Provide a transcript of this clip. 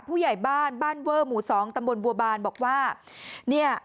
ผู้ใหญ่บ้านบ้านเวอร์หมู่สองตำบลบัวบานบอกว่าเนี่ย